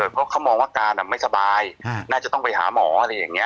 เพราะเขามองว่าการไม่สบายน่าจะต้องไปหาหมออะไรอย่างนี้